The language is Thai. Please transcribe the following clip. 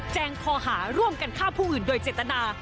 คอหาร่วมกันฆ่าผู้อื่นโดยเจตนา